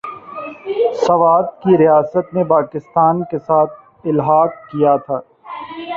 سوات کی ریاست نے پاکستان کے ساتھ الحاق کیا تھا ۔